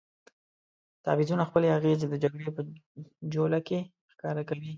تعویضونه خپلې اغېزې د جګړې په جوله کې ښکاره کوي.